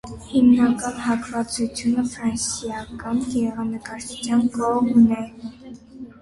Հիմնական հակվածությունը ֆրանսիական գեղանկարչության կողմն է։